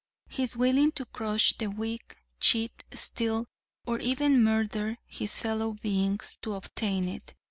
He is willing to crush the weak, cheat, steal or even murder his fellow beings to obtain it.